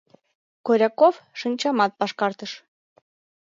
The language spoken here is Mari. — Коряков шинчамат пашкартыш.